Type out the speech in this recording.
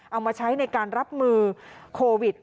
เอามาใช้ในการรับมือโควิด